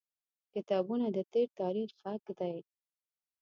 • کتابونه د تیر تاریخ غږ دی.